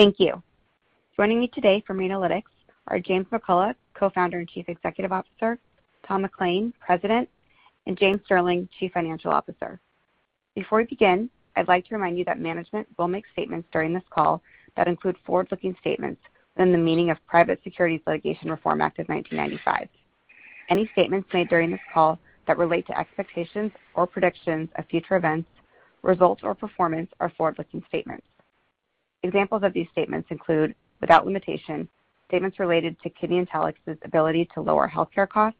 Thank you. Joining me today from Renalytix AI are James McCullough, Co-founder and Chief Executive Officer, Tom McLain, President, and O. James Sterling, Chief Financial Officer. Before we begin, I'd like to remind you that management will make statements during this call that include forward-looking statements within the meaning of Private Securities Litigation Reform Act of 1995. Any statements made during this call that relate to expectations or predictions of future events, results, or performance are forward-looking statements. Examples of these statements include, without limitation, statements related to KidneyIntelX's ability to lower healthcare costs,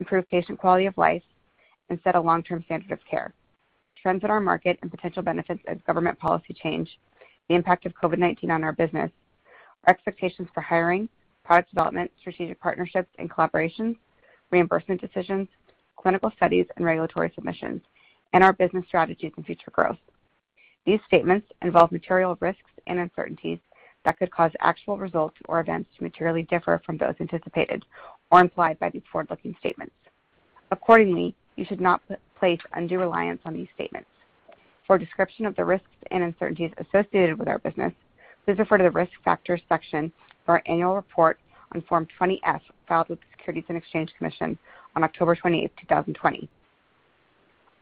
improve patient quality of life, and set a long-term standard of care, trends in our market and potential benefits of government policy change, the impact of COVID-19 on our business, our expectations for hiring, product development, strategic partnerships and collaborations, reimbursement decisions, clinical studies and regulatory submissions, and our business strategy for future growth. These statements involve material risks and uncertainties that could cause actual results or events to materially differ from those anticipated or implied by these forward-looking statements. Accordingly, you should not place undue reliance on these statements. For a description of the risks and uncertainties associated with our business, please refer to the Risk Factors section of our annual report on Form 20-F filed with the Securities and Exchange Commission on October 20th, 2020.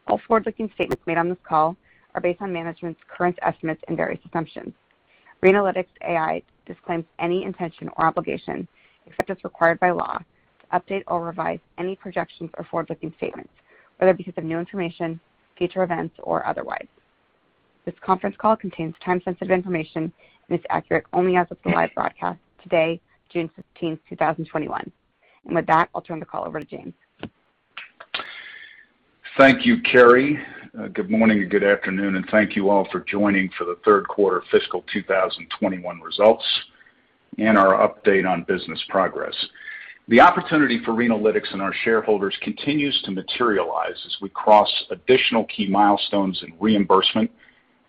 All forward-looking statements made on this call are based on management's current estimates and various assumptions. Renalytix AI disclaims any intention or obligation, except as required by law, to update or revise any projections or forward-looking statements, whether because of new information, future events, or otherwise. This conference call contains time-sensitive information and is accurate only as of the live broadcast today, June 15th, 2021. With that, I'll turn the call over to James. Thank you, Carey. Good morning and good afternoon, and thank you all for joining for the third quarter fiscal 2021 results and our update on business progress. The opportunity for Renalytix and our shareholders continues to materialize as we cross additional key milestones in reimbursement,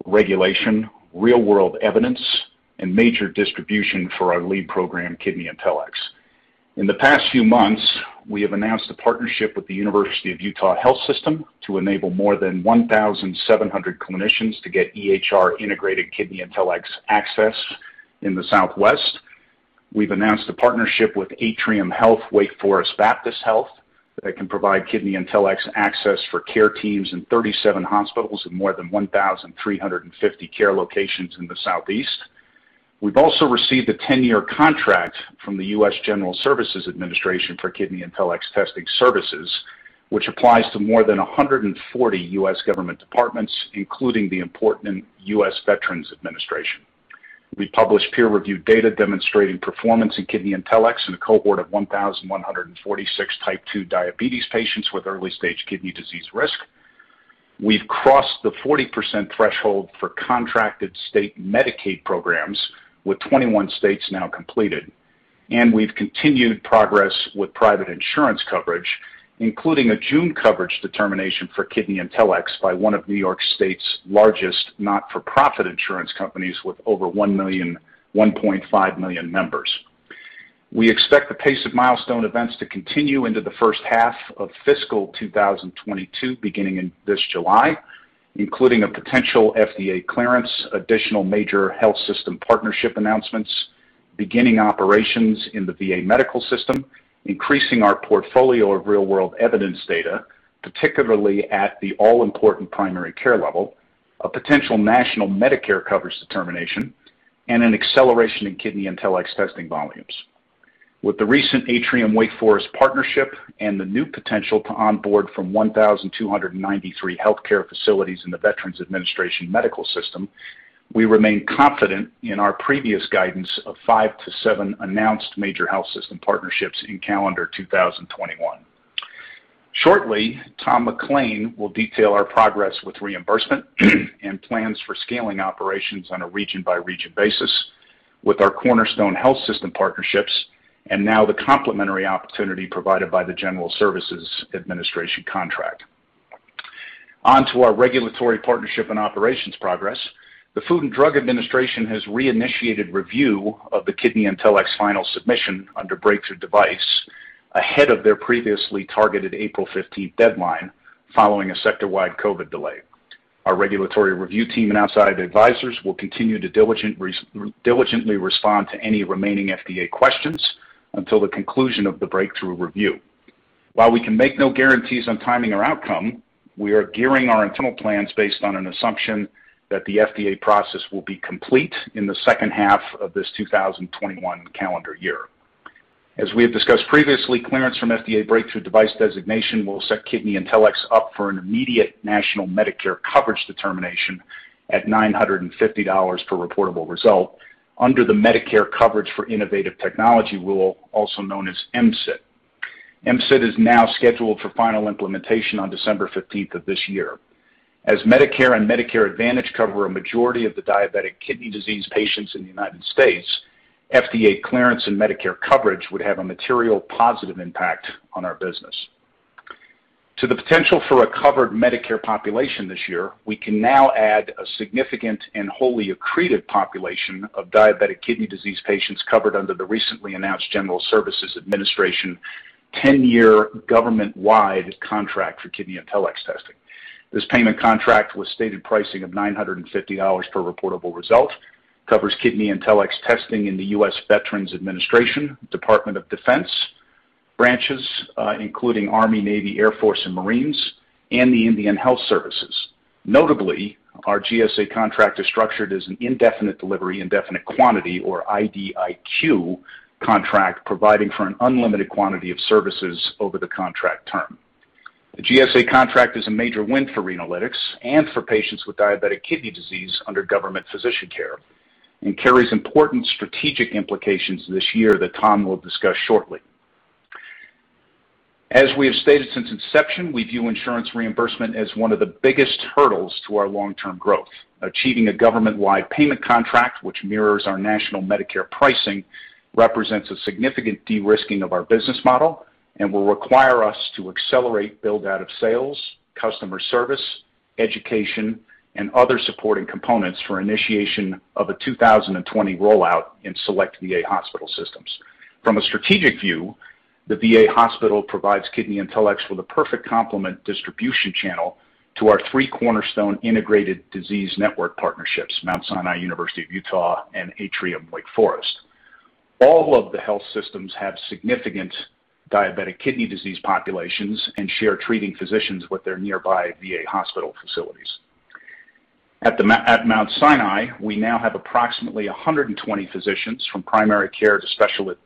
regulation, real-world evidence, and major distribution for our lead program, KidneyIntelX. In the past few months, we have announced a partnership with the University of Utah Health to enable more than 1,700 clinicians to get EHR-integrated KidneyIntelX access in the Southwest. We've announced a partnership with Atrium Health Wake Forest Baptist that can provide KidneyIntelX access for care teams in 37 hospitals and more than 1,350 care locations in the Southeast. We've also received a 10-year contract from the U.S. General Services Administration for KidneyIntelX testing services, which applies to more than 140 U.S. government departments, including the important U.S. Veterans Administration. We published peer-reviewed data demonstrating performance in KidneyIntelX in a cohort of 1,146 Type 2 diabetes patients with early-stage kidney disease risk. We've crossed the 40% threshold for contracted state Medicaid programs, with 21 states now completed. We've continued progress with private insurance coverage, including a June coverage determination for KidneyIntelX by one of New York State's largest not-for-profit insurance companies with over 1.5 million members. We expect the pace of milestone events to continue into the first half of fiscal 2022, beginning in this July, including a potential FDA clearance, additional major health system partnership announcements, beginning operations in the VA medical system, increasing our portfolio of real-world evidence data, particularly at the all-important primary care level, a potential national Medicare coverage determination, and an acceleration in KidneyIntelX testing volumes. With the recent Atrium Wake Forest partnership and the new potential to onboard from 1,293 healthcare facilities in the Veterans Administration medical system, we remain confident in our previous guidance of 5 to 7 announced major health system partnerships in calendar 2021. Shortly, Tom McLain will detail our progress with reimbursement and plans for scaling operations on a region-by-region basis with our cornerstone health system partnerships and now the complementary opportunity provided by the General Services Administration contract. On to our regulatory partnership and operations progress. The Food and Drug Administration has reinitiated review of the KidneyIntelX final submission under breakthrough device ahead of their previously targeted April 15th deadline following a sector-wide COVID delay. Our regulatory review team and outside advisors will continue to diligently respond to any remaining FDA questions until the conclusion of the breakthrough review. While we can make no guarantees on timing or outcome, we are gearing our internal plans based on an assumption that the FDA process will be complete in the second half of this 2021 calendar year. As we have discussed previously, clearance from FDA breakthrough device designation will set KidneyIntelX up for an immediate national Medicare coverage determination at $950 per reportable result under the Medicare Coverage of Innovative Technology rule, also known as MCIT. MCIT is now scheduled for final implementation on December 15th of this year. As Medicare and Medicare Advantage cover a majority of the diabetic kidney disease patients in the U.S., FDA clearance and Medicare coverage would have a material positive impact on our business. To the potential for a covered Medicare population this year, we can now add a significant and wholly accretive population of diabetic kidney disease patients covered under the recently announced General Services Administration 10-year government-wide contract for KidneyIntelX testing. This payment contract, with stated pricing of $950 per reportable result, covers KidneyIntelX testing in the U.S. Department of Veterans Affairs, Department of Defense branches, including Army, Navy, Air Force, and Marines, and the Indian Health Service. Notably, our GSA contract is structured as an indefinite delivery, indefinite quantity, or IDIQ contract, providing for an unlimited quantity of services over the contract term. The GSA contract is a major win for Renalytix and for patients with diabetic kidney disease under government physician care and carries important strategic implications this year that Tom will discuss shortly. As we have stated since inception, we view insurance reimbursement as one of the biggest hurdles to our long-term growth. Achieving a government-wide payment contract which mirrors our national Medicare pricing represents a significant de-risking of our business model and will require us to accelerate build-out of sales, customer service, education, and other supporting components for initiation of a 2020 rollout in select VA hospital systems. From a strategic view, the VA hospital provides KidneyIntelX with a perfect complement distribution channel to our three cornerstone integrated disease network partnerships, Mount Sinai, University of Utah, and Atrium Wake Forest. All of the health systems have significant diabetic kidney disease populations and share treating physicians with their nearby VA hospital facilities. At Mount Sinai, we now have approximately 120 physicians, from primary care to specialist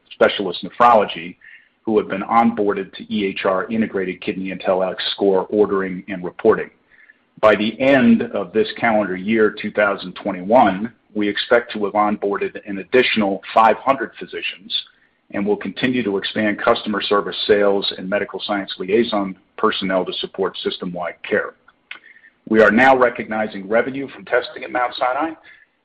nephrology, who have been onboarded to EHR-integrated KidneyIntelX score ordering and reporting. By the end of this calendar year 2021, we expect to have onboarded an additional 500 physicians and will continue to expand customer service sales and medical science liaison personnel to support system-wide care. We are now recognizing revenue from testing at Mount Sinai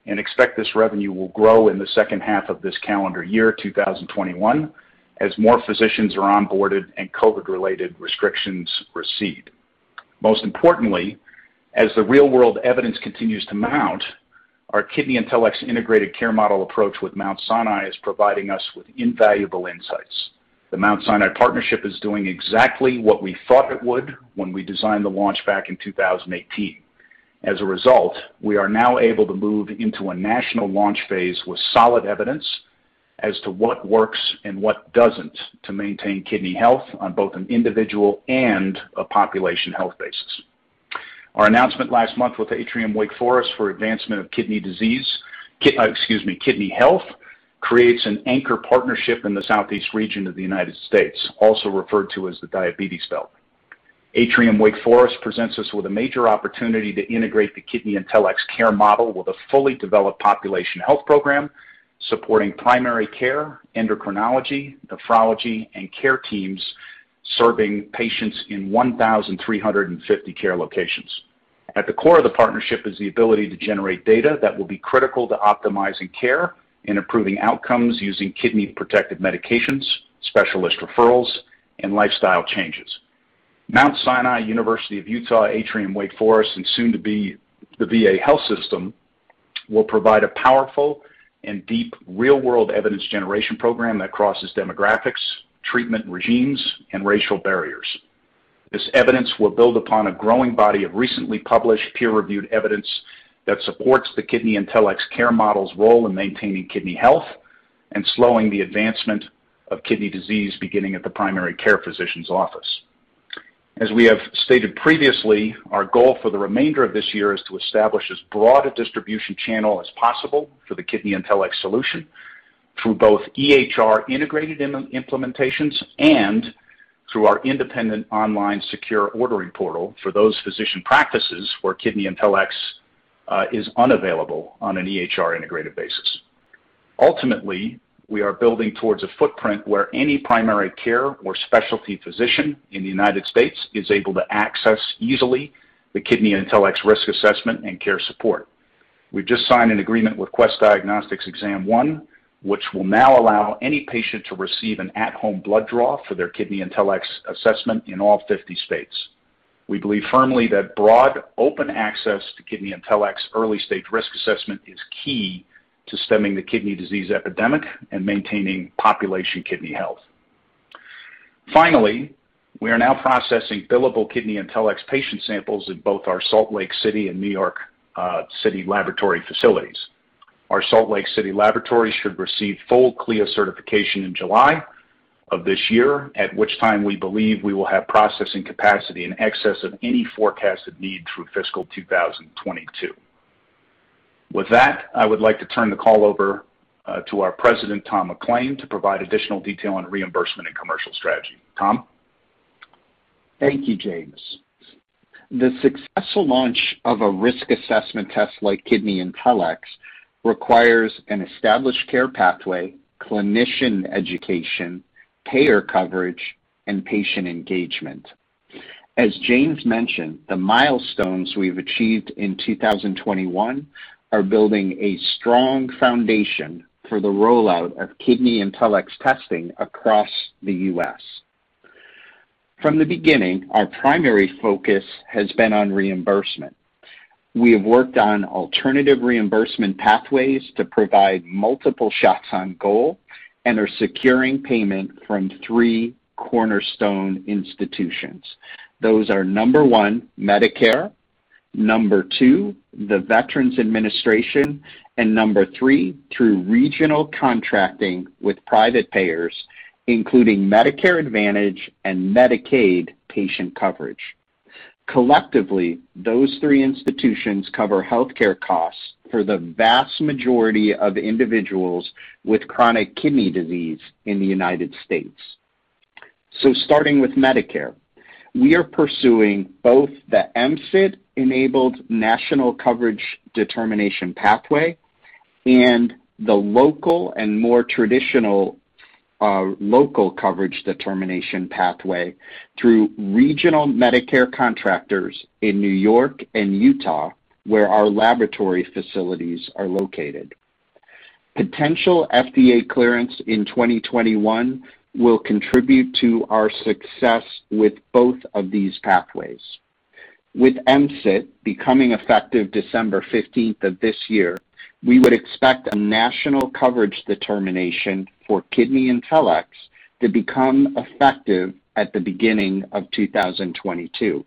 and expect this revenue will grow in the second half of this calendar year 2021, as more physicians are onboarded and COVID-related restrictions recede. Most importantly, as the real-world evidence continues to mount, our KidneyIntelX integrated care model approach with Mount Sinai is providing us with invaluable insights. The Mount Sinai partnership is doing exactly what we thought it would when we designed the launch back in 2018. As a result, we are now able to move into a national launch phase with solid evidence as to what works and what doesn't to maintain kidney health on both an individual and a population health basis. Our announcement last month with Atrium Wake Forest for Advancement of Kidney Disease, excuse me, Kidney Health, creates an anchor partnership in the southeast region of the United States, also referred to as the Diabetes Belt. Atrium Wake Forest presents us with a major opportunity to integrate the KidneyIntelX care model with a fully developed population health program supporting primary care, endocrinology, nephrology, and care teams serving patients in 1,350 care locations. At the core of the partnership is the ability to generate data that will be critical to optimizing care and improving outcomes using kidney-protective medications, specialist referrals, and lifestyle changes. Mount Sinai, University of Utah, Atrium Wake Forest, and soon to be the VA health system will provide a powerful and deep real-world evidence generation program that crosses demographics, treatment regimes, and racial barriers. This evidence will build upon a growing body of recently published peer-reviewed evidence that supports the KidneyIntelX care model's role in maintaining kidney health and slowing the advancement of kidney disease, beginning at the primary care physician's office. As we have stated previously, our goal for the remainder of this year is to establish as broad a distribution channel as possible for the KidneyIntelX solution through both EHR-integrated implementations and through our independent online secure ordering portal for those physician practices where KidneyIntelX is unavailable on an EHR-integrated basis. Ultimately, we are building towards a footprint where any primary care or specialty physician in the United States is able to access easily the KidneyIntelX risk assessment and care support. We've just signed an agreement with Quest Diagnostics ExamOne, which will now allow any patient to receive an at-home blood draw for their KidneyIntelX assessment in all 50 states. We believe firmly that broad, open access to KidneyIntelX early-stage risk assessment is key to stemming the kidney disease epidemic and maintaining population kidney health. We are now processing billable KidneyIntelX patient samples in both our Salt Lake City and New York City laboratory facilities. Our Salt Lake City laboratory should receive full CLIA certification in July of this year, at which time we believe we will have processing capacity in excess of any forecasted need through fiscal 2022. I would like to turn the call over to our President, Tom McLain, to provide additional detail on reimbursement and commercial strategy. Tom? Thank you, James. The successful launch of a risk assessment test like KidneyIntelX requires an established care pathway, clinician education, payer coverage, and patient engagement. As James mentioned, the milestones we've achieved in 2021 are building a strong foundation for the rollout of KidneyIntelX testing across the U.S. From the beginning, our primary focus has been on reimbursement. We have worked on alternative reimbursement pathways to provide multiple shots on goal and are securing payment from three cornerstone institutions. Those are, number 1, Medicare, number 2, the Veterans Administration, and number 3, through regional contracting with private payers, including Medicare Advantage and Medicaid patient coverage. Collectively, those three institutions cover healthcare costs for the vast majority of individuals with chronic kidney disease in the United States. Starting with Medicare. We are pursuing both the MCIT-enabled national coverage determination pathway and the local and more traditional, local coverage determination pathway through regional Medicare contractors in New York and Utah, where our laboratory facilities are located. Potential FDA clearance in 2021 will contribute to our success with both of these pathways. With MCIT becoming effective December 15th of this year, we would expect a national coverage determination for KidneyIntelX to become effective at the beginning of 2022.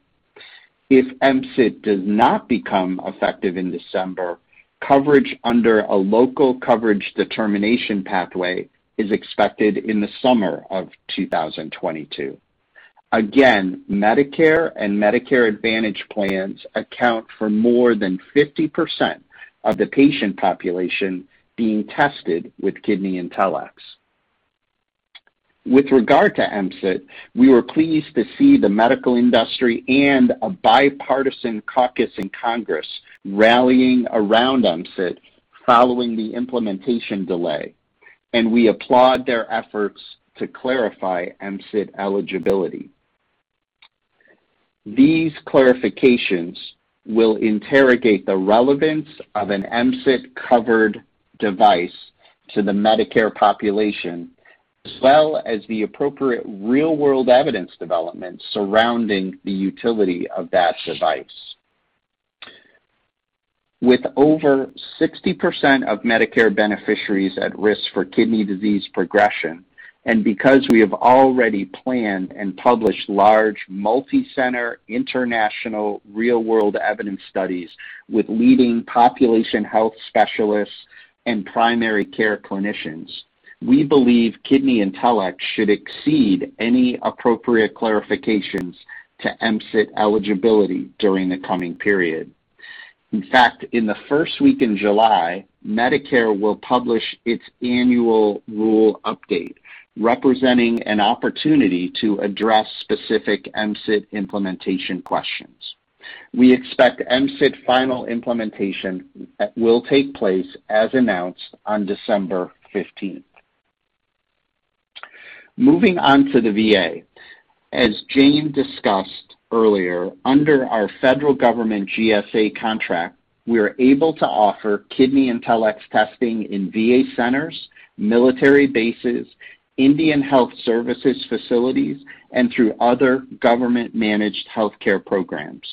If MCIT does not become effective in December, coverage under a local coverage determination pathway is expected in the summer of 2022. Again, Medicare and Medicare Advantage plans account for more than 50% of the patient population being tested with KidneyIntelX. With regard to MCIT, we were pleased to see the medical industry and a bipartisan caucus in Congress rallying around MCIT following the implementation delay. We applaud their efforts to clarify MCIT eligibility. These clarifications will interrogate the relevance of an MCIT-covered device to the Medicare population, as well as the appropriate real-world evidence development surrounding the utility of that device. With over 60% of Medicare beneficiaries at risk for kidney disease progression, because we have already planned and published large, multi-center, international real-world evidence studies with leading population health specialists and primary care clinicians, we believe KidneyIntelX should exceed any appropriate clarifications to MCIT eligibility during the coming period. In fact, in the first week in July, Medicare will publish its annual rule update, representing an opportunity to address specific MCIT implementation questions. We expect MCIT final implementation will take place as announced on December 15th. Moving on to the VA. As James discussed earlier, under our federal government GSA contract, we are able to offer KidneyIntelX testing in VA centers, military bases, Indian Health Service facilities, and through other government-managed healthcare programs.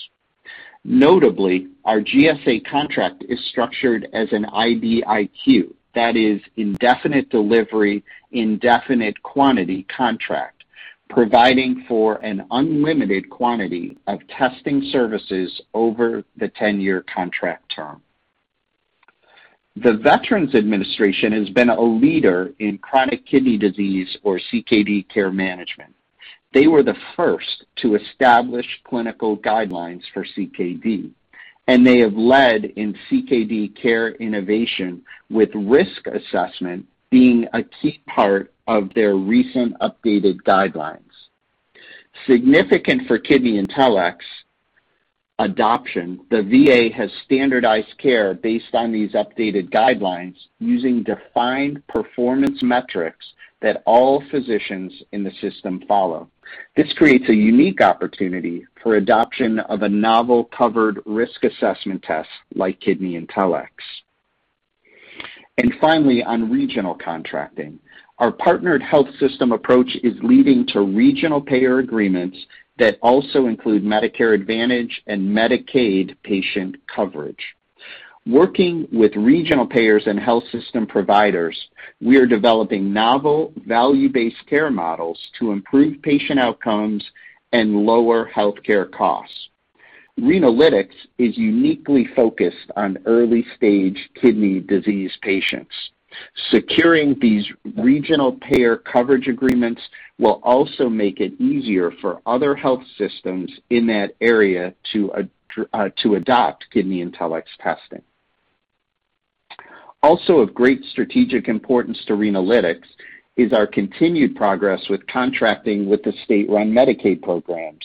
Notably, our GSA contract is structured as an IDIQ, that is indefinite delivery, indefinite quantity contract, providing for an unlimited quantity of testing services over the 10-year contract term. The Veterans Administration has been a leader in chronic kidney disease or CKD care management. They were the first to establish clinical guidelines for CKD, and they have led in CKD care innovation, with risk assessment being a key part of their recent updated guidelines. Significant for KidneyIntelX adoption, the VA has standardized care based on these updated guidelines using defined performance metrics that all physicians in the system follow. This creates a unique opportunity for adoption of a novel covered risk assessment test like KidneyIntelX. Finally, on regional contracting. Our partnered health system approach is leading to regional payer agreements that also include Medicare Advantage and Medicaid patient coverage. Working with regional payers and health system providers, we are developing novel value-based care models to improve patient outcomes and lower healthcare costs. Renalytix is uniquely focused on early-stage kidney disease patients. Securing these regional payer coverage agreements will also make it easier for other health systems in that area to adopt KidneyIntelX testing. Also of great strategic importance to Renalytix is our continued progress with contracting with the state-run Medicaid programs,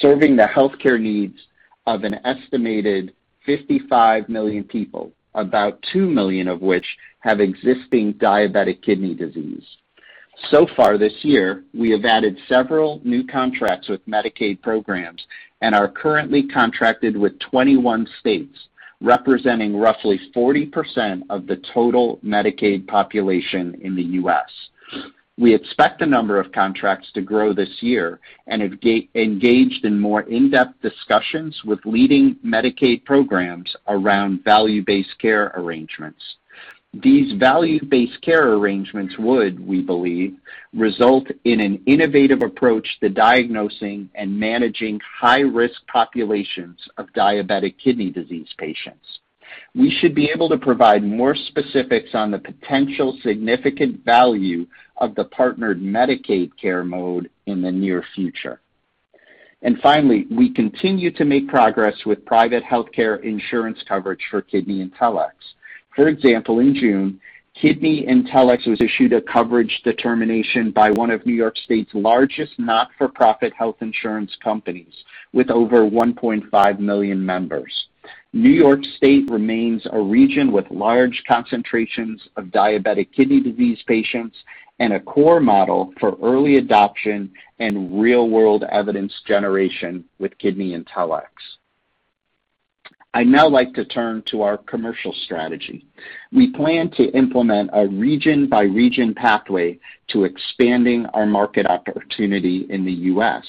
serving the healthcare needs of an estimated 55 million people, about 2 million of which have existing diabetic kidney disease. Far this year, we have added several new contracts with Medicaid programs and are currently contracted with 21 states, representing roughly 40% of the total Medicaid population in the U.S. We expect the number of contracts to grow this year and have engaged in more in-depth discussions with leading Medicaid programs around value-based care arrangements. These value-based care arrangements would, we believe, result in an innovative approach to diagnosing and managing high-risk populations of diabetic kidney disease patients. We should be able to provide more specifics on the potential significant value of the partnered Medicaid care mode in the near future. Finally, we continue to make progress with private healthcare insurance coverage for KidneyIntelX. For example, in June, KidneyIntelX was issued a coverage determination by one of New York State's largest not-for-profit health insurance companies, with over 1.5 million members. New York State remains a region with large concentrations of diabetic kidney disease patients and a core model for early adoption and real-world evidence generation with KidneyIntelX. I'd now like to turn to our commercial strategy. We plan to implement a region-by-region pathway to expanding our market opportunity in the U.S.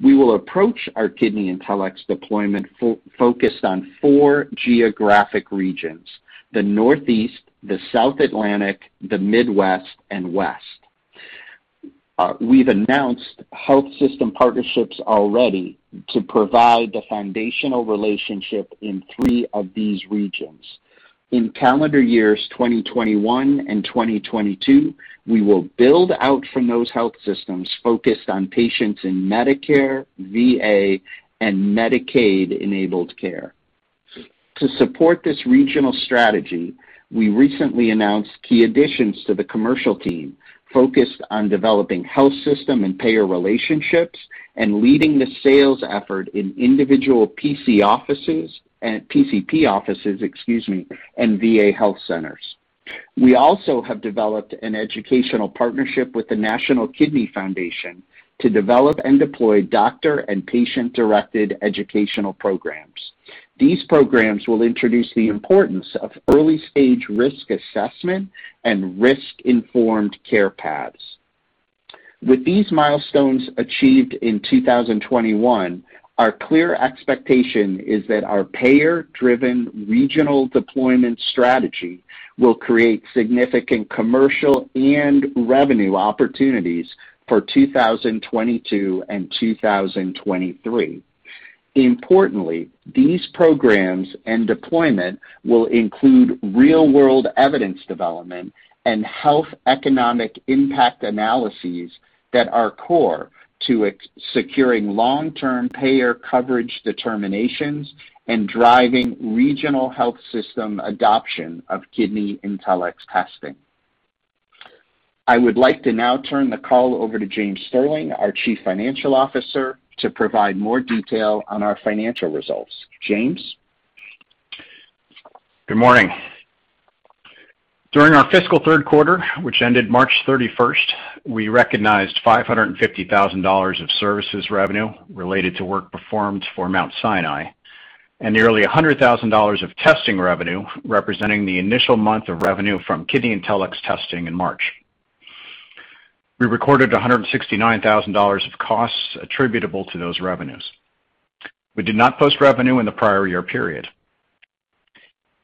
We will approach our KidneyIntelX deployment focused on four geographic regions: the Northeast, the South Atlantic, the Midwest, and West. We've announced health system partnerships already to provide the foundational relationship in three of these regions. In calendar years 2021 and 2022, we will build out from those health systems focused on patients in Medicare, VA, and Medicaid-enabled care. To support this regional strategy, we recently announced key additions to the commercial team focused on developing health system and payer relationships and leading the sales effort in individual PCP offices and VA health centers. We also have developed an educational partnership with the National Kidney Foundation to develop and deploy doctor and patient-directed educational programs. These programs will introduce the importance of early-stage risk assessment and risk-informed care paths. With these milestones achieved in 2021, our clear expectation is that our payer-driven regional deployment strategy will create significant commercial and revenue opportunities for 2021 and 2022. Importantly, these programs and deployment will include real-world evidence development and health economic impact analyses that are core to securing long-term payer coverage determinations and driving regional health system adoption of KidneyIntelX testing. I would like to now turn the call over to James Sterling, our Chief Financial Officer, to provide more detail on our financial results. James? Good morning. During our fiscal third quarter, which ended March 31st, we recognized $550,000 of services revenue related to work performed for Mount Sinai and nearly $100,000 of testing revenue, representing the initial month of revenue from KidneyIntelX testing in March. We recorded $169,000 of costs attributable to those revenues. We did not post revenue in the prior year period.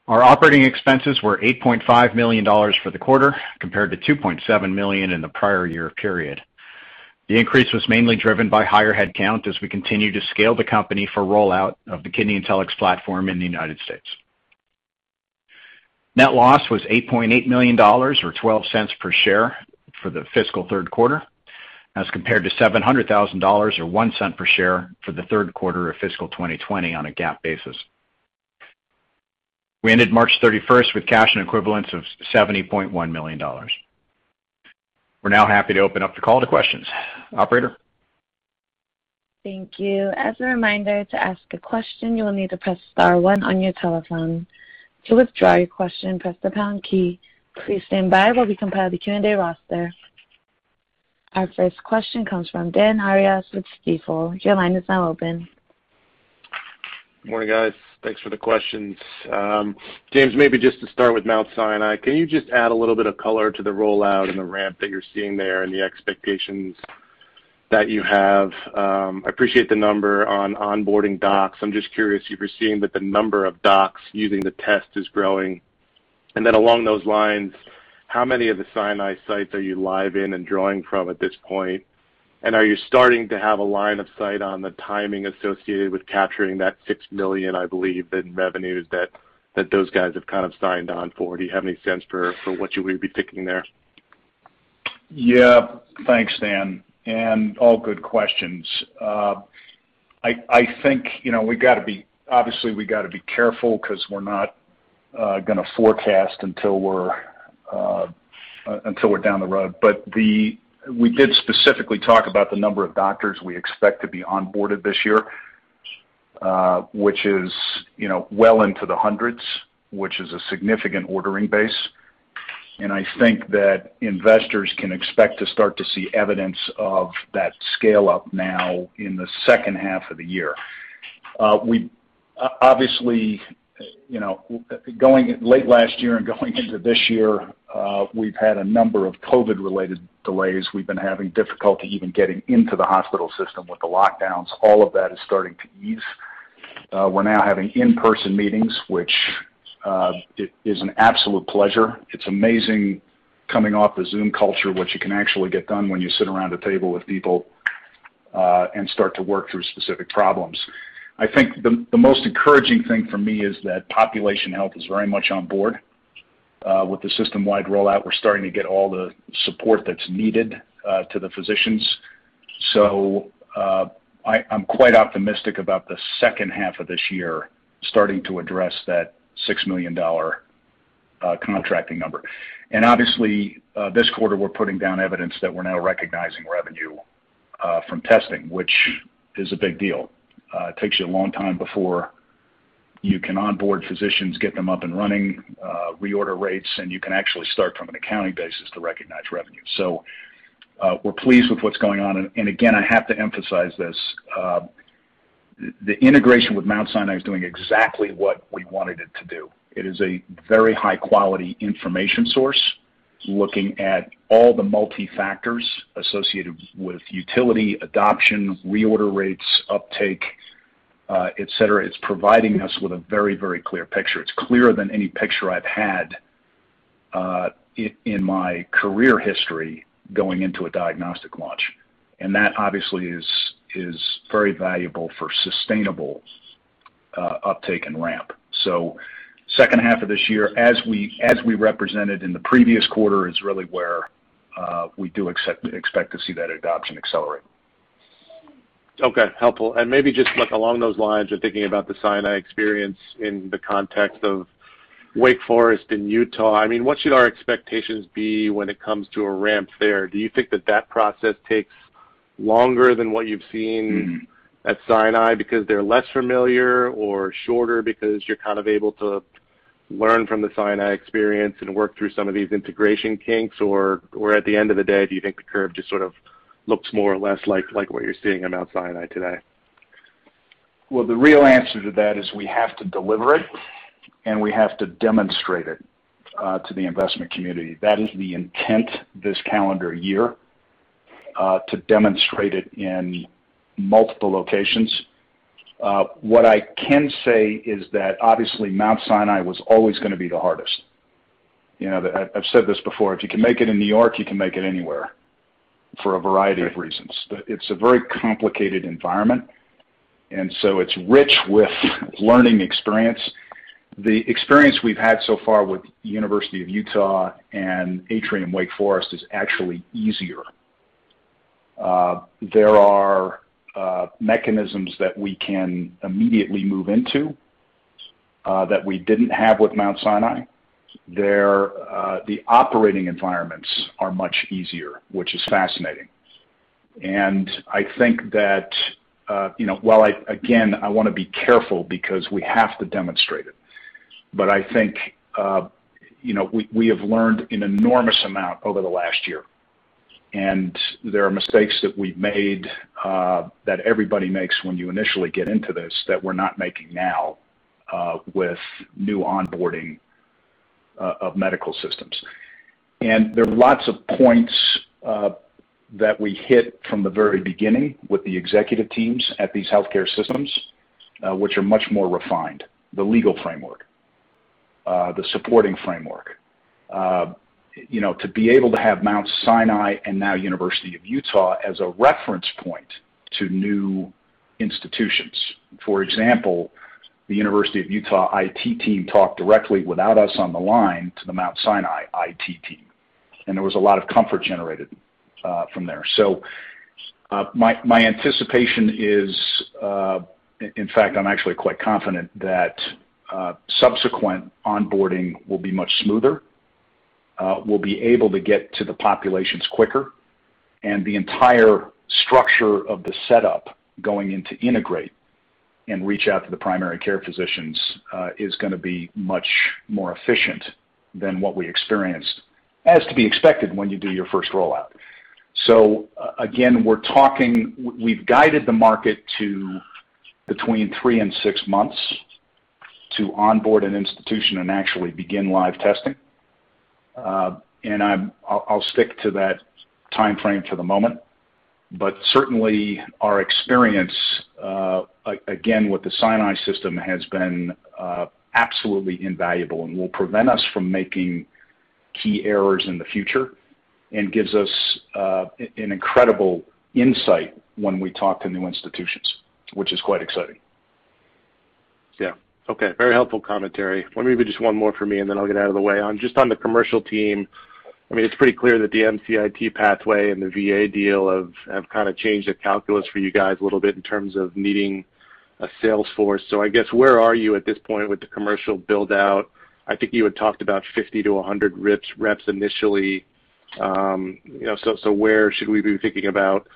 Our operating expenses were $8.5 million for the quarter, compared to $2.7 million in the prior year period. The increase was mainly driven by higher headcount as we continue to scale the company for rollout of the KidneyIntelX platform in the United States. Net loss was $8.8 million, or $0.12 per share, for the fiscal third quarter, as compared to $700,000, or $0.01 per share, for the third quarter of fiscal 2020 on a GAAP basis. We ended March 31st with cash and equivalents of $70.1 million. We're now happy to open up the call to questions. Operator? Thank you. As a reminder, to ask a question, you will need to press star one on your telephone. To withdraw your question, press the pound key. Please stand by while we compile the Q&A roster. Our first question comes from Dan Arias with Stifel. Your line is now open. Morning, guys. Thanks for the questions. James, maybe just to start with Mount Sinai, can you just add a little bit of color to the rollout and the ramp that you're seeing there and the expectations that you have? I appreciate the number on onboarding docs. I'm just curious if you're seeing that the number of docs using the test is growing. Along those lines, how many of the Sinai sites are you live in and drawing from at this point? Are you starting to have a line of sight on the timing associated with capturing that $6 million, I believe, in revenues that those guys have kind of signed on for? Do you have any sense for what you would be thinking there? Thanks, Dan. All good questions. Obviously, we've got to be careful because we're not going to forecast until we're down the road. We did specifically talk about the number of doctors we expect to be onboarded this year, which is well into the hundreds, which is a significant ordering base. I think that investors can expect to start to see evidence of that scale-up now in the second half of the year. Obviously, late last year and going into this year, we've had a number of COVID-related delays. We've been having difficulty even getting into the hospital system with the lockdowns. All of that is starting to ease. We're now having in-person meetings, which is an absolute pleasure. It's amazing coming off the Zoom culture, what you can actually get done when you sit around a table with people and start to work through specific problems. I think the most encouraging thing for me is that population health is very much on board with the system-wide rollout. We're starting to get all the support that's needed to the physicians. I'm quite optimistic about the second half of this year starting to address that $6 million contracting number. Obviously, this quarter, we're putting down evidence that we're now recognizing revenue from testing, which is a big deal. It takes you a long time before you can onboard physicians, get them up and running, reorder rates, and you can actually start from an accounting basis to recognize revenue. We're pleased with what's going on, and again, I have to emphasize this, the integration with Mount Sinai is doing exactly what we wanted it to do. It is a very high-quality information source looking at all the multi-factors associated with utility, adoption, reorder rates, uptake, et cetera. It's providing us with a very clear picture. It's clearer than any picture I've had in my career history going into a diagnostic launch, and that obviously is very valuable for sustainable uptake and ramp. Second half of this year, as we represented in the previous quarter, is really where we do expect to see that adoption accelerate. Okay. Helpful. Maybe just along those lines of thinking about the Sinai experience in the context of Wake Forest and Utah, what should our expectations be when it comes to a ramp there? Do you think that that process takes longer than what you've seen at Sinai because they're less familiar or shorter because you're kind of able to learn from the Sinai experience and work through some of these integration kinks? At the end of the day, do you think the curve just sort of looks more or less like what you're seeing in Mount Sinai today? Well, the real answer to that is we have to deliver it, and we have to demonstrate it to the investment community. That is the intent this calendar year, to demonstrate it in multiple locations. What I can say is that obviously Mount Sinai was always going to be the hardest. I've said this before, if you can make it in New York, you can make it anywhere for a variety of reasons. It's a very complicated environment, it's rich with learning experience. The experience we've had so far with University of Utah and Atrium Wake Forest is actually easier. There are mechanisms that we can immediately move into that we didn't have with Mount Sinai. The operating environments are much easier, which is fascinating. I think that while, again, I want to be careful because we have to demonstrate it, but I think we have learned an enormous amount over the last year, and there are mistakes that we've made that everybody makes when you initially get into this that we're not making now with new onboarding of medical systems. There are lots of points that we hit from the very beginning with the executive teams at these healthcare systems, which are much more refined, the legal framework, the supporting framework. To be able to have Mount Sinai and now University of Utah as a reference point to new institutions. For example, the University of Utah IT team talked directly without us on the line to the Mount Sinai IT team, and there was a lot of comfort generated from there. My anticipation is, in fact, I'm actually quite confident that subsequent onboarding will be much smoother. We'll be able to get to the populations quicker, and the entire structure of the setup going in to integrate and reach out to the primary care physicians is going to be much more efficient than what we experienced, as to be expected when you do your first rollout. Again, we've guided the market to between 3 and 6 months to onboard an institution and actually begin live testing. I'll stick to that timeframe for the moment, but certainly our experience, again, with the Mount Sinai Health System has been absolutely invaluable and will prevent us from making key errors in the future and gives us an incredible insight when we talk to new institutions, which is quite exciting. Very helpful commentary. Let me do just one more for me and then I'll get out of the way. Just on the commercial team, it's pretty clear that the MCIT pathway and the VA deal have changed the calculus for you guys a little bit in terms of meeting a sales force. I guess, where are you at this point with the commercial build-out? I think you had talked about 50-100 reps initially. Where should we be thinking about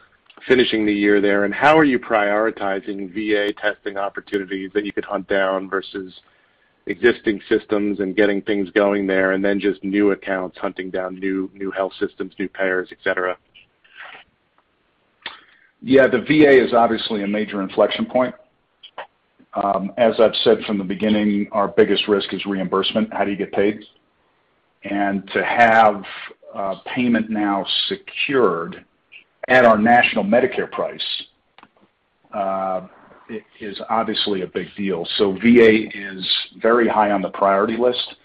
finishing the year there? How are you prioritizing VA testing opportunities that you could hunt down versus existing systems and getting things going there and then just new accounts, hunting down new health systems, new payers, et cetera? Yeah, the VA is obviously a major inflection point. As I've said from the beginning, our biggest risk is reimbursement, how do you get paid? To have payment now secured at our national Medicare price, is obviously a big deal. VA is very high on the priority list.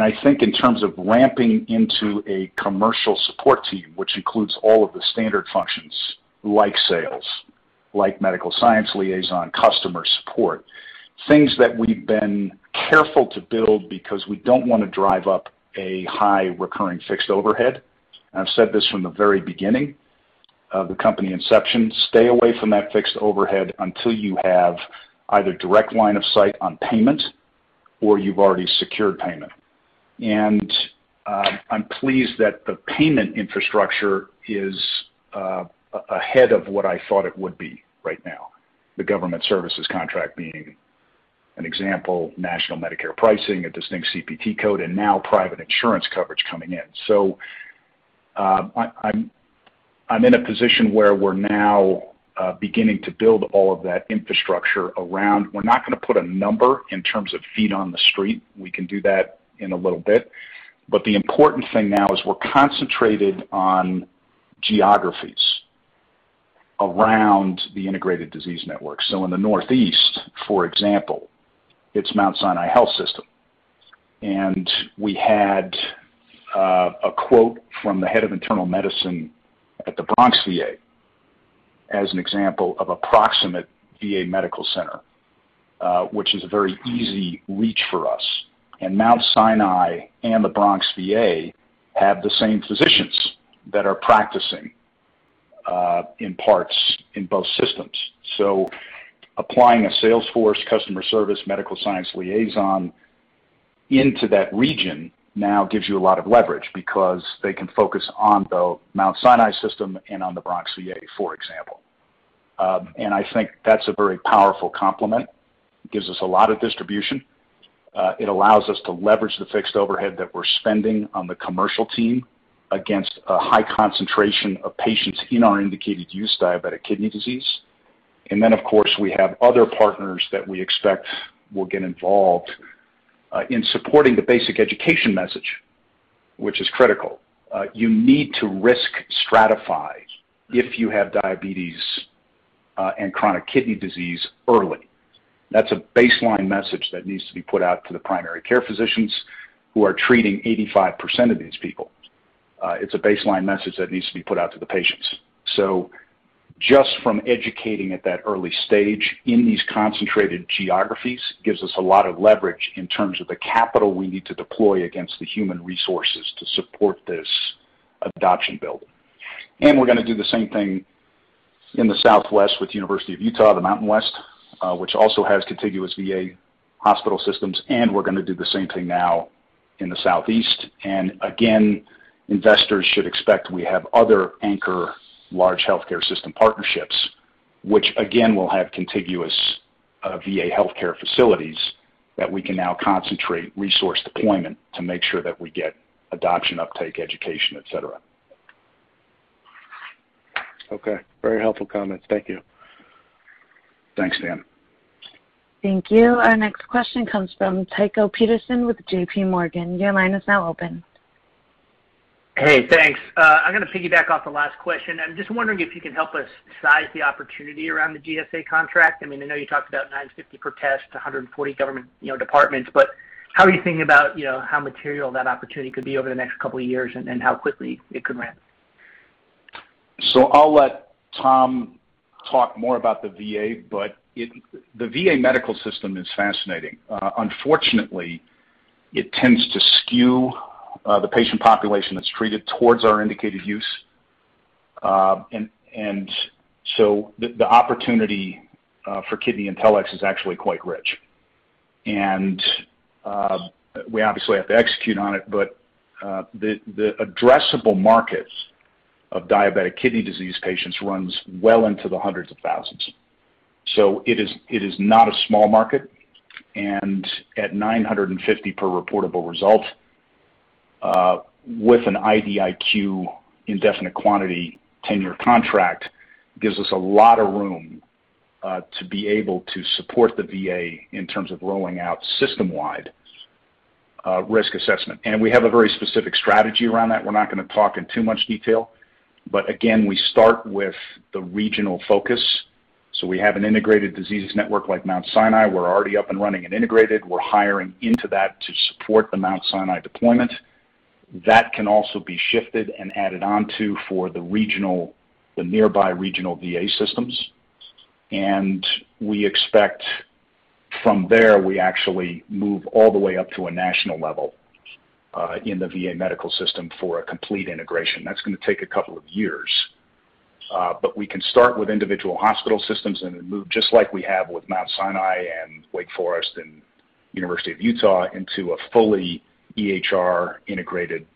I think in terms of ramping into a commercial support team, which includes all of the standard functions like sales, like medical science liaison, customer support. Things that we've been careful to build because we don't want to drive up a high recurring fixed overhead. I've said this from the very beginning of the company inception, stay away from that fixed overhead until you have either direct line of sight on payment or you've already secured payment. I'm pleased that the payment infrastructure is ahead of what I thought it would be right now. The government services contract being an example, national Medicare pricing, a distinct CPT code, and now private insurance coverage coming in. I'm in a position where we're now beginning to build all of that infrastructure. We're not going to put a number in terms of feet on the street. We can do that in a little bit. The important thing now is we're concentrated on geographies around the integrated disease network. In the Northeast, for example, it's Mount Sinai Health System. We had a quote from the head of internal medicine at the Bronx VA as an example of a proximate VA medical center, which is a very easy reach for us. Mount Sinai and the Bronx VA have the same physicians that are practicing in parts in both systems. Applying a sales force, customer service, medical science liaison into that region now gives you a lot of leverage because they can focus on the Mount Sinai Health System and on the Bronx VA, for example. I think that's a very powerful complement. It gives us a lot of distribution. It allows us to leverage the fixed overhead that we're spending on the commercial team against a high concentration of patients in our indicated use diabetic kidney disease. Of course, we have other partners that we expect will get involved in supporting the basic education message, which is critical. You need to risk stratify if you have diabetes and chronic kidney disease early. That's a baseline message that needs to be put out to the primary care physicians who are treating 85% of these people. It's a baseline message that needs to be put out to the patients. Just from educating at that early stage in these concentrated geographies gives us a lot of leverage in terms of the capital we need to deploy against the human resources to support this adoption build. We're going to do the same thing in the Southwest with University of Utah, the Mountain West, which also has contiguous VA hospital systems, and we're going to do the same thing now in the Southeast. Again, investors should expect we have other anchor large healthcare system partnerships. Which again, will have contiguous VA healthcare facilities that we can now concentrate resource deployment to make sure that we get adoption, uptake, education, et cetera. Okay. Very helpful comment. Thank you. Thanks again. Thank you. Our next question comes from Tycho Peterson with J.P. Morgan. Your line is now open. Hey, thanks. I'm going to piggyback off the last question. I'm just wondering if you can help us size the opportunity around the GSA contract. I know you talked about $950 per test, 140 government departments, but how are you thinking about how material that opportunity could be over the next couple of years and how quickly it could ramp? I'll let Tom talk more about the VA, but the VA medical system is fascinating. Unfortunately, it tends to skew the patient population that's treated towards our indicated use. The opportunity for KidneyIntelX is actually quite rich. We obviously have to execute on it. The addressable market of diabetic kidney disease patients runs well into the hundreds of thousands. It is not a small market. At $950 per reportable result, with an IDIQ indefinite quantity, 10-year contract gives us a lot of room to be able to support the VA in terms of rolling out system-wide risk assessment. We have a very specific strategy around that. We're not going to talk in too much detail. Again, we start with the regional focus. We have an integrated disease network like Mount Sinai. We're already up and running and integrated. We're hiring into that to support the Mount Sinai deployment. That can also be shifted and added onto for the nearby regional VA systems. We expect from there, we actually move all the way up to a national level in the VA medical system for a complete integration. That's going to take a couple of years. We can start with individual hospital systems and then move, just like we have with Mount Sinai and Wake Forest and University of Utah, into a fully EHR integrated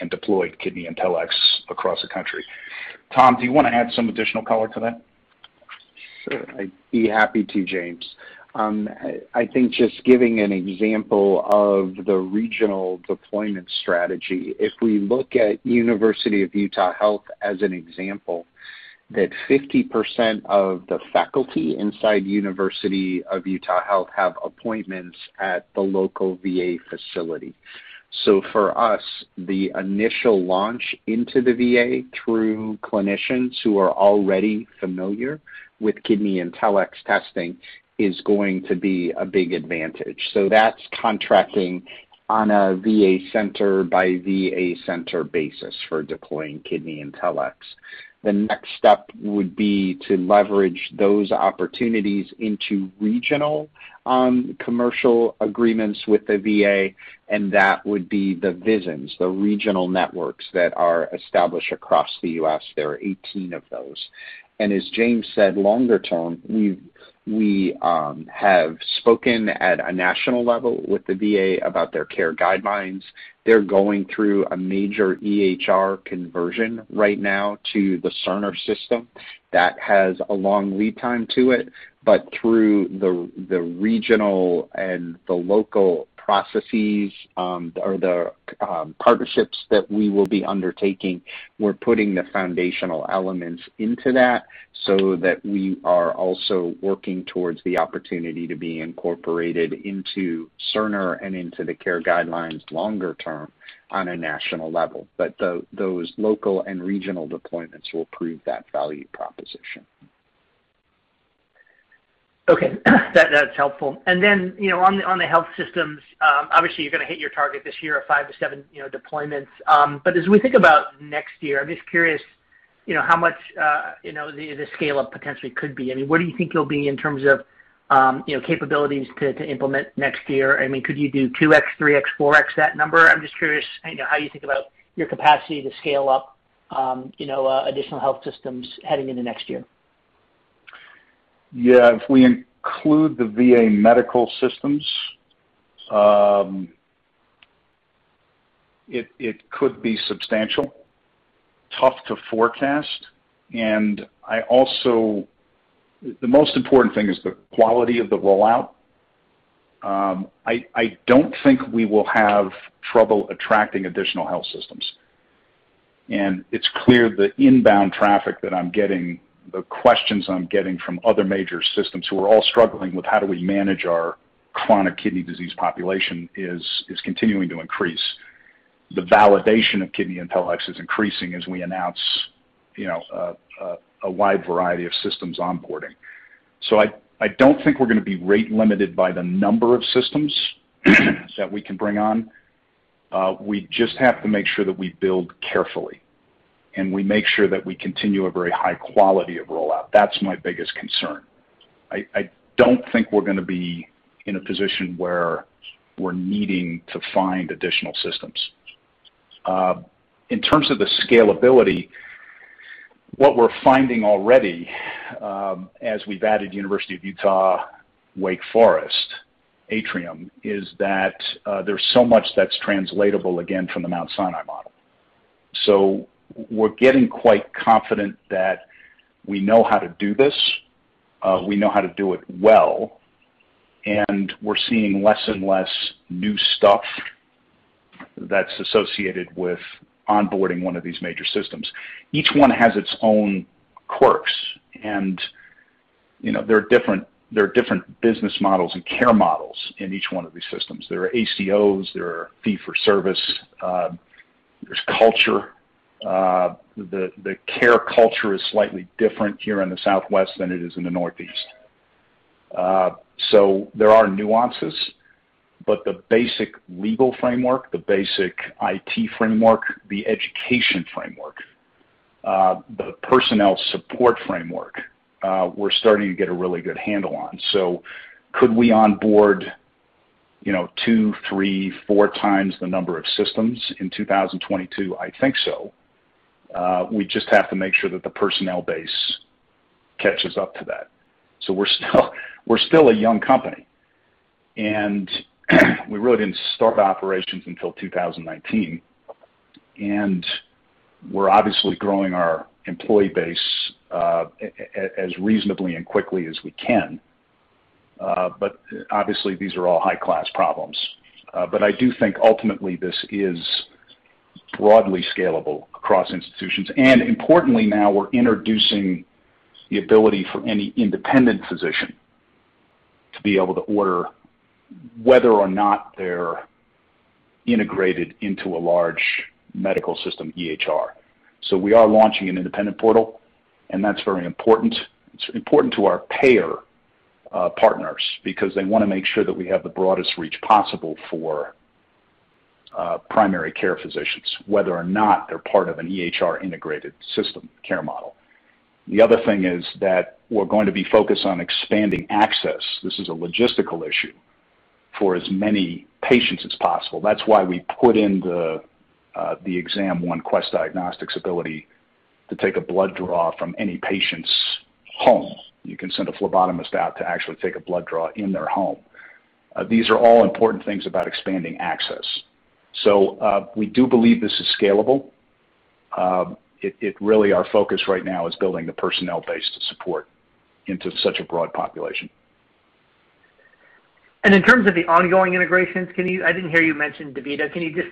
and deployed KidneyIntelX across the country. Tom, do you want to add some additional color to that? Sure. I'd be happy to, James. I think just giving an example of the regional deployment strategy, if we look at University of Utah Health as an example, that 50% of the faculty inside University of Utah Health have appointments at the local VA facility. For us, the initial launch into the VA through clinicians who are already familiar with KidneyIntelX testing is going to be a big advantage. That's contracting on a VA center by VA center basis for deploying KidneyIntelX. The next step would be to leverage those opportunities into regional commercial agreements with the VA, and that would be the VISNs, the regional networks that are established across the U.S. There are 18 of those. As James said, longer term, we have spoken at a national level with the VA about their care guidelines. They're going through a major EHR conversion right now to the Cerner system. That has a long lead time to it, but through the regional and the local processes, or the partnerships that we will be undertaking, we're putting the foundational elements into that so that we are also working towards the opportunity to be incorporated into Cerner and into the care guidelines longer term on a national level. Those local and regional deployments will prove that value proposition. Okay. That's helpful. Then, on the health systems, obviously, you're going to hit your target this year of 5 to 7 deployments. As we think about next year, I'm just curious, how much the scale-up potentially could be, and what do you think you'll be in terms of capabilities to implement next year? Could you do 2x, 3x, 4x that number? I'm just curious how you think about your capacity to scale up additional health systems heading into next year. Yeah. If we include the VA medical systems, it could be substantial, tough to forecast. The most important thing is the quality of the rollout. I don't think we will have trouble attracting additional health systems. It's clear the inbound traffic that I'm getting, the questions I'm getting from other major systems who are all struggling with how do we manage our chronic kidney disease population is continuing to increase. The validation of KidneyIntelX is increasing as we announce a wide variety of systems onboarding. I don't think we're going to be rate limited by the number of systems that we can bring on. We just have to make sure that we build carefully, and we make sure that we continue a very high quality of rollout. That's my biggest concern. I don't think we're going to be in a position where we're needing to find additional systems. In terms of the scalability, what we're finding already, as we've added University of Utah, Wake Forest, Atrium, is that there's so much that's translatable again from the Mount Sinai model. We're getting quite confident that we know how to do this, we know how to do it well, and we're seeing less and less new stuff that's associated with onboarding 1 of these major systems. Each 1 has its own quirks, and there are different business models and care models in each 1 of these systems. There are ACOs, there are fee for service, there's culture. The care culture is slightly different here in the Southwest than it is in the Northeast. There are nuances, but the basic legal framework, the basic IT framework, the education framework, the personnel support framework, we're starting to get a really good handle on. Could we onboard 2, 3, 4 times the number of systems in 2022? I think so. We just have to make sure that the personnel base catches up to that. We're still a young company, and we really didn't start operations until 2019, and we're obviously growing our employee base as reasonably and quickly as we can. Obviously, these are all high-class problems. I do think ultimately this is broadly scalable across institutions. Importantly now, we're introducing the ability for any independent physician to be able to order whether or not they're integrated into a large medical system EHR. We are launching an independent portal, and that's very important. It's important to our payer partners because they want to make sure that we have the broadest reach possible for primary care physicians, whether or not they're part of an EHR integrated system care model. The other thing is that we're going to be focused on expanding access, this is a logistical issue, for as many patients as possible. That's why we put in the ExamOne Quest Diagnostics ability to take a blood draw from any patient's home. You can send a phlebotomist out to actually take a blood draw in their home. These are all important things about expanding access. We do believe this is scalable. Really our focus right now is building the personnel base to support into such a broad population. In terms of the ongoing integrations, I didn't hear you mention DaVita. Can you just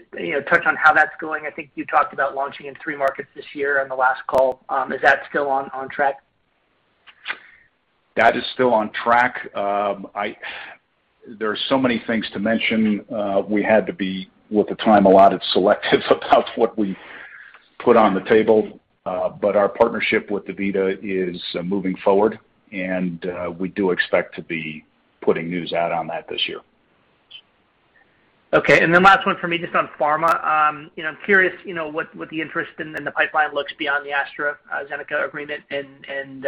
touch on how that's going? I think you talked about launching in 3 markets this year on the last call. Is that still on track? That is still on track. There's so many things to mention. We had to be, with the time allotted, selective about what we put on the table. Our partnership with DaVita is moving forward, and we do expect to be putting news out on that this year. Okay. Last one from me, just on pharma. I'm curious what the interest in the pipeline looks beyond the AstraZeneca agreement and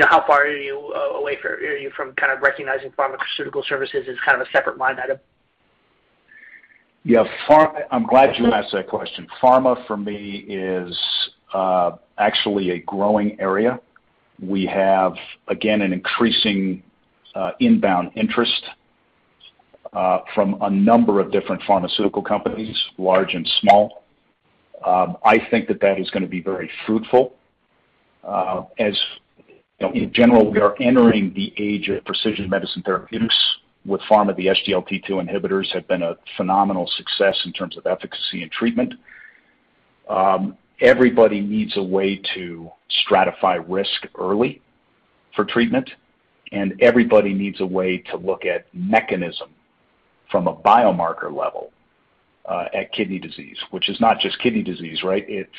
how far are you away from recognizing pharmaceutical services as a separate line item? Yeah. I'm glad you asked that question. Pharma for me is actually a growing area. We have, again, an increasing inbound interest from a number of different pharmaceutical companies, large and small. I think that is going to be very fruitful. In general, we are entering the age of precision medicine therapeutics with pharma. The SGLT2 inhibitors have been a phenomenal success in terms of efficacy and treatment. Everybody needs a way to stratify risk early for treatment, and everybody needs a way to look at mechanism from a biomarker level, at kidney disease, which is not just kidney disease, right? It's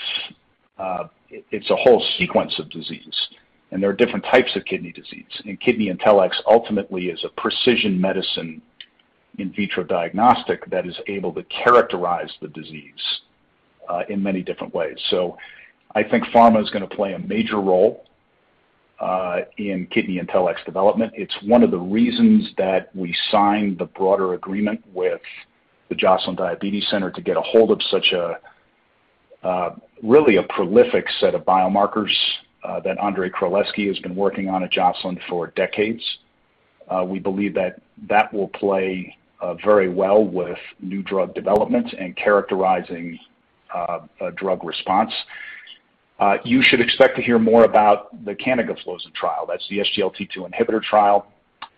a whole sequence of disease, and there are different types of kidney disease. KidneyIntelX ultimately is a precision medicine in vitro diagnostic that is able to characterize the disease in many different ways. I think pharma is going to play a major role in KidneyIntelX development. It's one of the reasons that we signed the broader agreement with the Joslin Diabetes Center to get ahold of such a prolific set of biomarkers that Andrzej Krolewski has been working on at Joslin for decades. We believe that will play very well with new drug development and characterizing a drug response. You should expect to hear more about the CANVAS trial. That's the SGLT2 inhibitor trial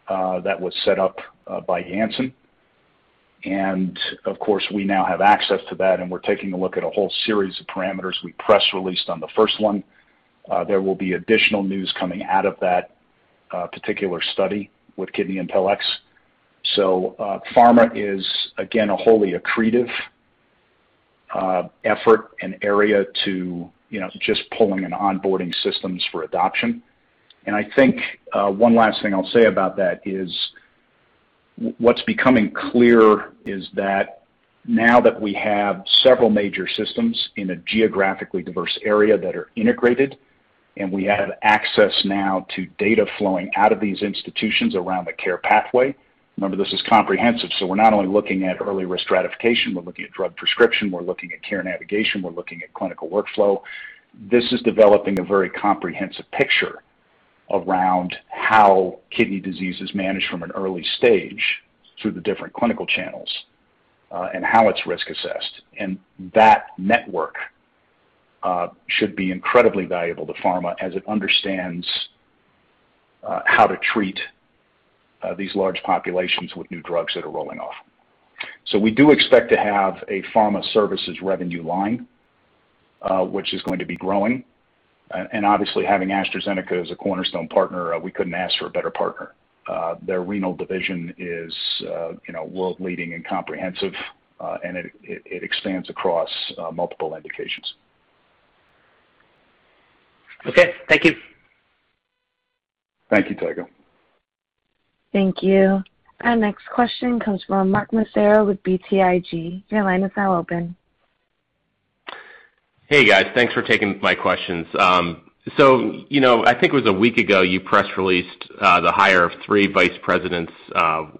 that was set up by Janssen. Of course, we now have access to that, and we're taking a look at a whole series of parameters. We press released on the first one. There will be additional news coming out of that particular study with KidneyIntelX. Pharma is, again, a wholly accretive effort and area to just pulling and onboarding systems for adoption. I think one last thing I'll say about that is what's becoming clear is that now that we have several major systems in a geographically diverse area that are integrated, and we have access now to data flowing out of these institutions around the care pathway. Remember, this is comprehensive, so we're not only looking at early risk stratification, we're looking at drug prescription, we're looking at care navigation, we're looking at clinical workflow. This is developing a very comprehensive picture around how kidney disease is managed from an early stage through the different clinical channels, and how it's risk assessed. That network should be incredibly valuable to pharma as it understands how to treat these large populations with new drugs that are rolling off. We do expect to have a pharma services revenue line, which is going to be growing. Obviously, having AstraZeneca as a cornerstone partner, we couldn't ask for a better partner. Their renal division is world leading and comprehensive, and it expands across multiple indications. Okay. Thank you. Thank you, Tycho Peterson. Thank you. Our next question comes from Mark Massaro with BTIG. Your line is now open. Hey, guys. Thanks for taking my questions. I think it was a week ago you press released the hire of 3 vice presidents.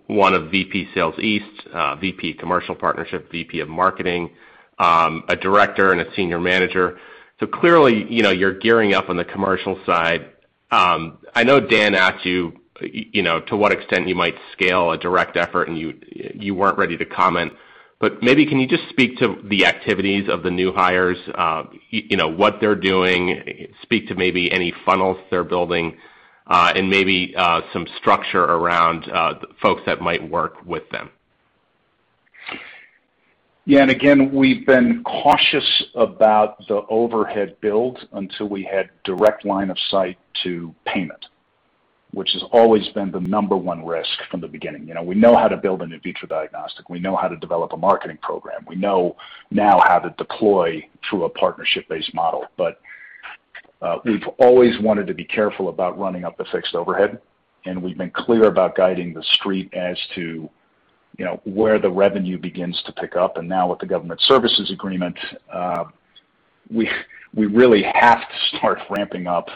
One of VP Sales East, VP Commercial Partnership, VP of Marketing, a director, and a senior manager. Clearly, you're gearing up on the commercial side. I know Dan asked you to what extent you might scale a direct effort, and you weren't ready to comment. Maybe can you just speak to the activities of the new hires, what they're doing, speak to maybe any funnels they're building, and maybe some structure around folks that might work with them? Yeah. Again, we've been cautious about the overhead build until we had direct line of sight to payment, which has always been the number 1 risk from the beginning. We know how to build an in vitro diagnostic. We know how to develop a marketing program. We know now how to deploy through a partnership-based model. We've always wanted to be careful about running up a fixed overhead, and we've been clear about guiding the street as to where the revenue begins to pick up. Now with the government services agreement, we really have to start ramping up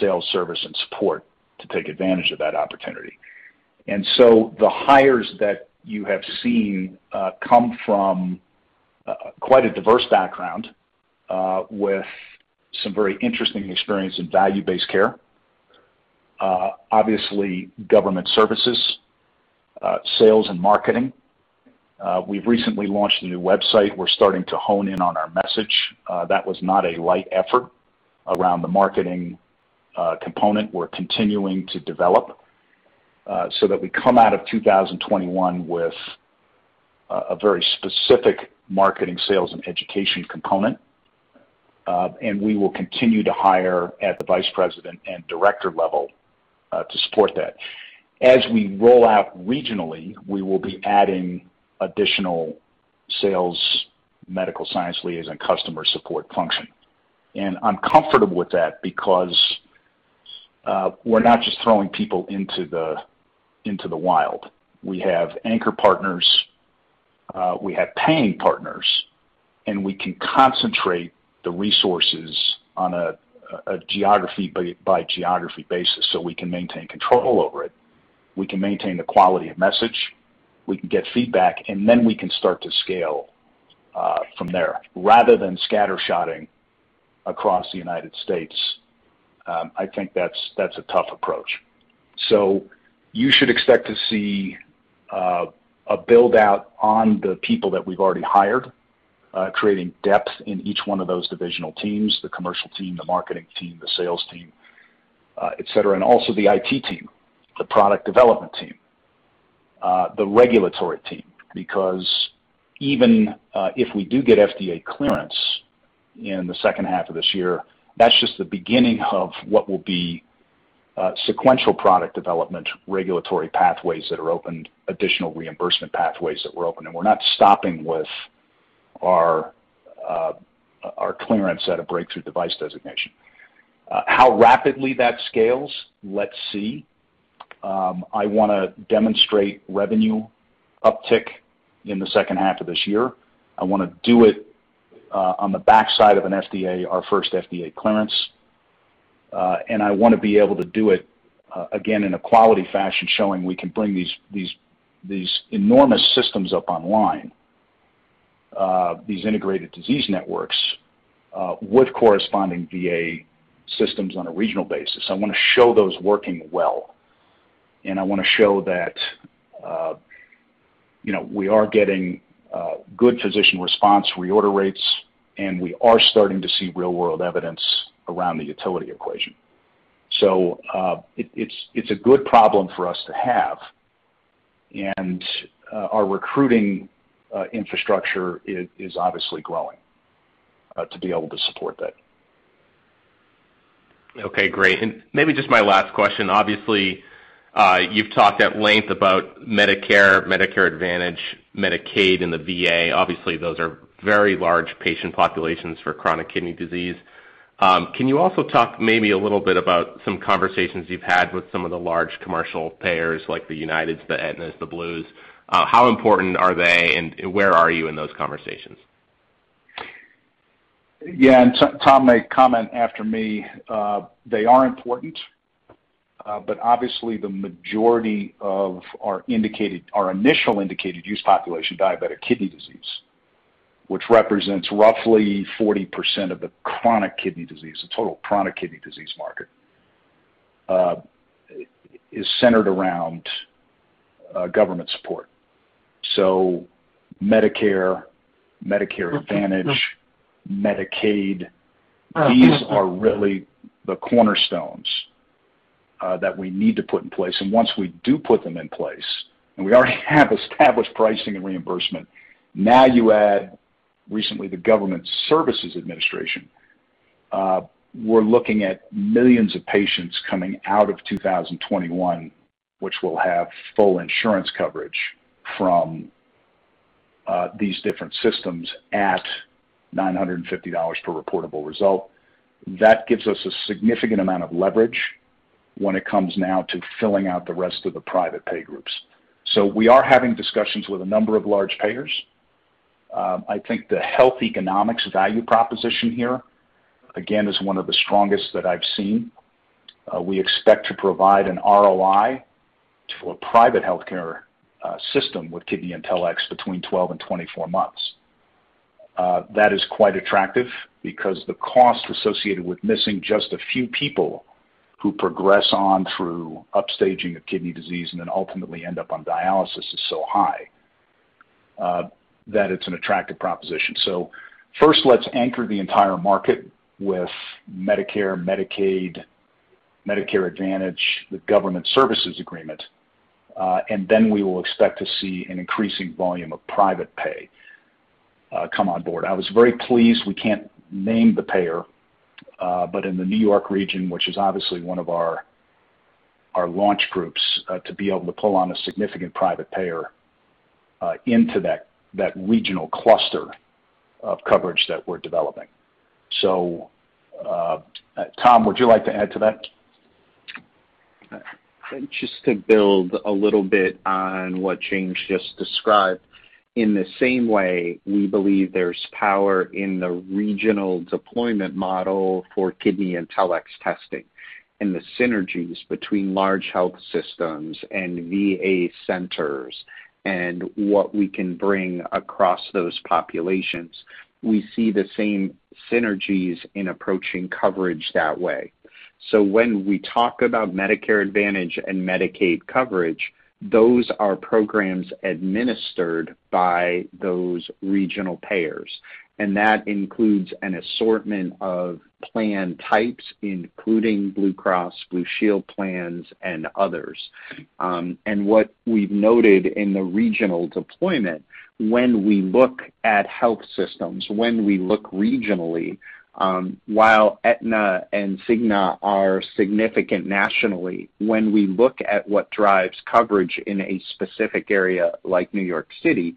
sales, service, and support to take advantage of that opportunity. The hires that you have seen come from quite a diverse background with some very interesting experience in value-based care, obviously government services, sales, and marketing. We've recently launched a new website. We're starting to hone in on our message. That was not a light effort around the marketing component. We're continuing to develop so that we come out of 2021 with a very specific marketing, sales, and education component. We will continue to hire at the vice president and director level to support that. As we roll out regionally, we will be adding additional sales, medical science liaison, customer support function. I'm comfortable with that because we're not just throwing people into the wild. We have anchor partners, we have paying partners, and we can concentrate the resources on a geography by geography basis, so we can maintain control over it. We can maintain the quality of message, we can get feedback, and then we can start to scale from there rather than scattershotting across the United States. I think that's a tough approach. You should expect to see a build-out on the people that we've already hired, creating depth in each one of those divisional teams, the commercial team, the marketing team, the sales team, et cetera, and also the IT team, the product development team, the regulatory team. Because even if we do get FDA clearance in the second half of this year, that's just the beginning of what will be sequential product development, regulatory pathways that are opened, additional reimbursement pathways that we're opening. We're not stopping with our clearance at a breakthrough device designation. How rapidly that scales, let's see. I want to demonstrate revenue uptick in the second half of this year. I want to do it on the backside of an FDA, our first FDA clearance. I want to be able to do it, again, in a quality fashion, showing we can bring these enormous systems up online, these integrated disease networks, with corresponding VA systems on a regional basis. I want to show those working well, and I want to show that we are getting good physician response reorder rates, and we are starting to see real-world evidence around the utility equation. It's a good problem for us to have. Our recruiting infrastructure is obviously growing to be able to support that. Okay, great. Maybe just my last question. Obviously, you've talked at length about Medicare Advantage, Medicaid, and the VA. Obviously, those are very large patient populations for chronic kidney disease. Can you also talk maybe a little bit about some conversations you've had with some of the large commercial payers, like the Uniteds, the Aetnas, the Blues? How important are they, and where are you in those conversations? Yeah. Tom may comment after me. They are important. Obviously the majority of our initial indicated use population, diabetic kidney disease, which represents roughly 40% of the chronic kidney disease, the total chronic kidney disease market, is centered around government support. Medicare Advantage, Medicaid, these are really the cornerstones that we need to put in place. Once we do put them in place, and we already have established pricing and reimbursement, now you add recently the General Services Administration. We're looking at millions of patients coming out of 2021, which will have full insurance coverage from these different systems at $950 per reportable result. That gives us a significant amount of leverage when it comes now to filling out the rest of the private pay groups. We are having discussions with a number of large payers. I think the health economics value proposition here, again, is one of the strongest that I've seen. We expect to provide an ROI to a private healthcare system with KidneyIntelX between 12 and 24 months. That is quite attractive because the cost associated with missing just a few people who progress on through upstaging of kidney disease and then ultimately end up on dialysis is so high, that it's an attractive proposition. First, let's anchor the entire market with Medicare, Medicaid, Medicare Advantage, the government services agreement, and then we will expect to see an increasing volume of private pay come on board. I was very pleased, we can't name the payer, but in the N.Y. region, which is obviously one of our launch groups to be able to pull on a significant private payer into that regional cluster of coverage that we're developing. Tom, would you like to add to that? Just to build a little bit on what James just described. In the same way, we believe there's power in the regional deployment model for KidneyIntelX testing and the synergies between large health systems and VA centers and what we can bring across those populations. We see the same synergies in approaching coverage that way. When we talk about Medicare Advantage and Medicaid coverage, those are programs administered by those regional payers, and that includes an assortment of plan types, including Blue Cross Blue Shield plans and others. What we've noted in the regional deployment, when we look at health systems, when we look regionally, while Aetna and Cigna are significant nationally, when we look at what drives coverage in a specific area like New York City,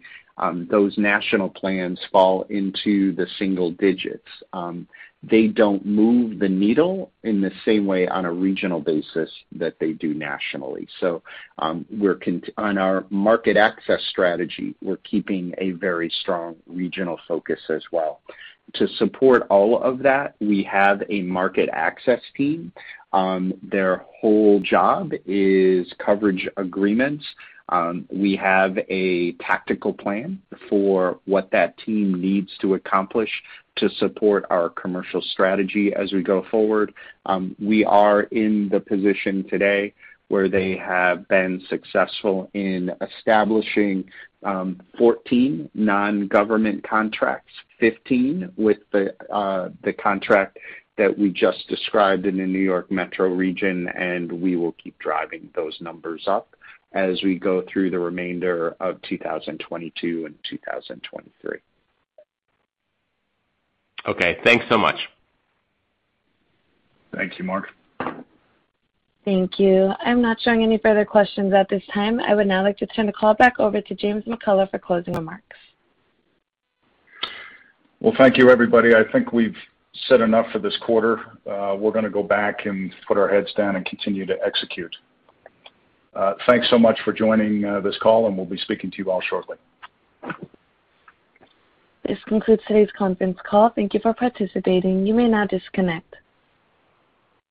those national plans fall into the single digits. They don't move the needle in the same way on a regional basis that they do nationally. On our market access strategy, we're keeping a very strong regional focus as well. To support all of that, we have a market access team. Their whole job is coverage agreements. We have a tactical plan for what that team needs to accomplish to support our commercial strategy as we go forward. We are in the position today where they have been successful in establishing 14 non-government contracts, 15 with the contract that we just described in the New York metro region. We will keep driving those numbers up as we go through the remainder of 2022 and 2023. Okay, thanks so much. Thank you, Mark. Thank you. I'm not showing any further questions at this time. I would now like to turn the call back over to James McCullough for closing remarks. Well, thank you everybody. I think we've said enough for this quarter. We're going to go back and put our heads down and continue to execute. Thanks so much for joining this call, and we'll be speaking to you all shortly. This concludes today's conference call. Thank you for participating. You may now disconnect.